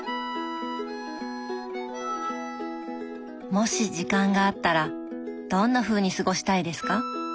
もし時間があったらどんなふうに過ごしたいですか？